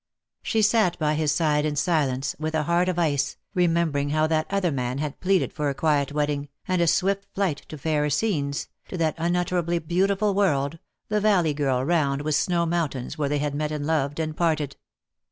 She sat by his side in silence, with a heart of ice, remembering how that other man had pleaded for a quiet wedding, and a swift flight to fairer scenes, to that unutterably beautiful world, the valley girt round with snow mountains where they had met and loved and parted.